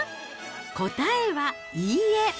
答えはいいえ。